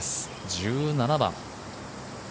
１７番。